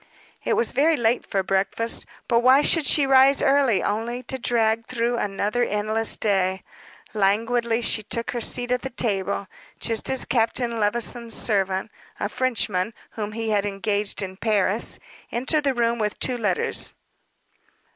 It was very late for breakfast, but why should she rise early only to drag through another endless day? Languidly she took her seat at the table, just as Captain Levison's servant, a Frenchman whom he had engaged in Paris, entered the room with two letters.